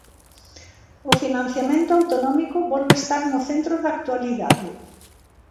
O financiamento autonómico volve estar no centro da actualidade.